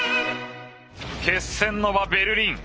決戦の場ベルリン。